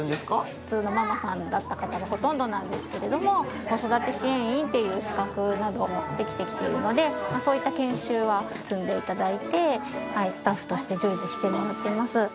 普通のママさんだった方がほとんどなんですけれども子育て支援員っていう資格などもできてきているのでそういった研修は積んで頂いてスタッフとして従事してもらっています。